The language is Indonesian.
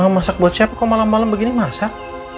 masak buat siapa kok malam malam begini masak